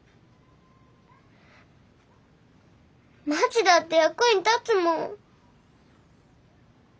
まちだって役に立つもん。